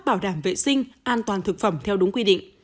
bảo đảm vệ sinh an toàn thực phẩm theo đúng quy định